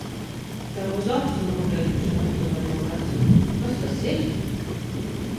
Tā uz aci noteikuši aptuveno vecumu. Kas tas ir?